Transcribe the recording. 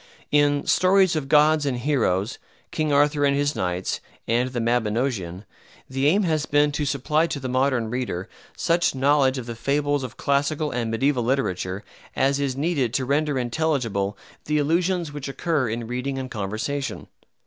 In "Stories of Gods and Heroes," "King Arthur and His Knights" and "The Mabinogeon" the aim has been to supply to the modern reader such knowledge of the fables of classical and mediaeval literature as is needed to render intelligible the allusions which occur in reading and conversation.